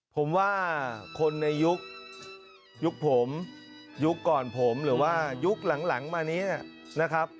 ผมว่าคนในยุคผมยุคก่อนผมหรือว่ายุคหลังมานี้นะครับ